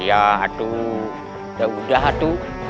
ya aduh yaudah aduh